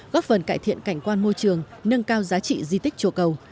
góp phần cải thiện cảnh quan môi trường nâng cao giá trị di tích chùa cầu